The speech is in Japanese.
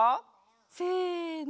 せの。